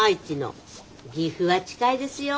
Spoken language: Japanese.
岐阜は近いですよ。